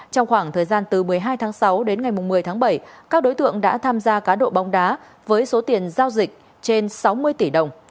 trong khoảng thời gian từ một mươi hai tháng sáu đến ngày một mươi tháng bảy các đối tượng đã tham gia cá độ bóng đá với số tiền giao dịch trên sáu mươi tỷ đồng